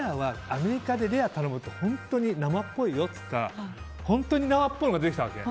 アメリカでレアを頼むと本当に生っぽいよって言ったら本当に生っぽいのが出てきたわけ。